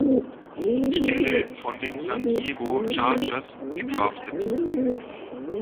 Stelle von den San Diego Chargers gedraftet.